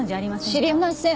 知りません。